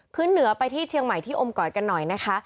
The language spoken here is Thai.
ขึ้นเหนือไปที่เชียงใหม่ที่อมกอดกันหน่อยนะคะ